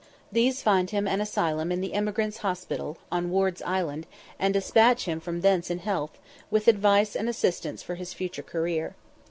These find him an asylum in the Emigrants' Hospital, on Ward's Island, and despatch him from thence in health, with advice and assistance for his future career.